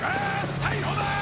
逮捕だー！